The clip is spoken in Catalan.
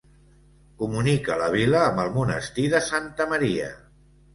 Comunica la vila amb el monestir de Santa Maria.